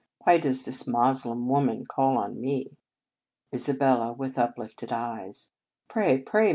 why does this Moslem woman call on me? Isabella (with uplifted eyes). Pray, pray!